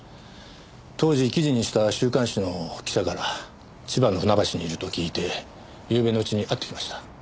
当時記事にした週刊誌の記者から千葉の船橋にいると聞いてゆうべのうちに会ってきました。